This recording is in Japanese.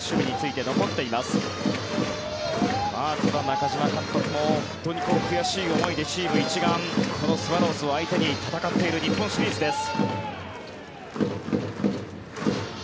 ただ、中嶋監督も本当に悔しい思いでチーム一丸このスワローズを相手に戦っている日本シリーズです。